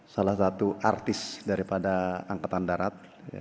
salah satu artis daripada angkatan darat